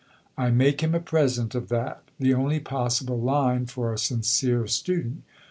I make him a present of that the only possible line for a sincere student.